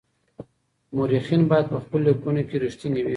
مورخین باید په خپلو لیکنو کي رښتیني وي.